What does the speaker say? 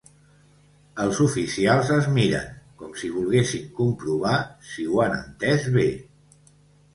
Els oficials es miren, com si volguessin comprovar si ho han entès bé.